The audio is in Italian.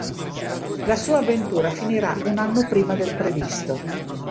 La sua avventura finirà un anno prima del previsto.